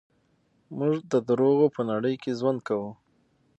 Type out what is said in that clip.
موږ د دروغو په نړۍ کې ژوند کوو.